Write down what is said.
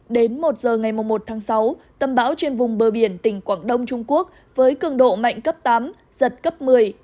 đến một giờ ngày một tháng sáu tâm bão trên vùng bờ biển tỉnh quảng đông trung quốc với cường độ mạnh cấp tám giật cấp một mươi